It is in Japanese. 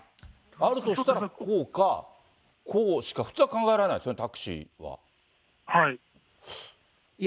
あるとしたらこうか、こうしか、普通は考えられないですよね。